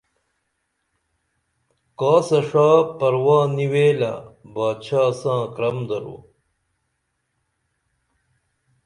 کاسہ ݜا پرواہ نی ویلہ بادشاہ ساں کرم درو